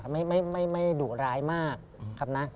ไม่ดุร้ายมากครับนะ